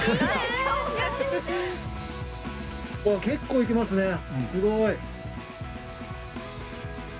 結構いきますね